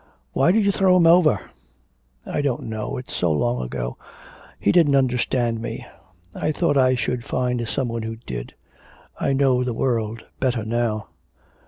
'Why did you throw him over?' 'I don't know. It's so long ago. He didn't understand me. I thought I should find some one who did.... I know the world better now.'